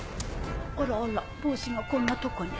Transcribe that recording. あらあら帽子がこんなとこに。